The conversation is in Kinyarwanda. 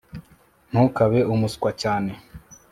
ntukabe umuswa cyane